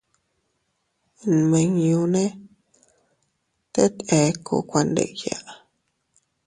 Nmiñune teet eku kuandiya.